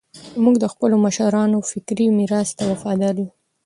موږ د خپلو مشرانو فکري میراث ته وفادار یو.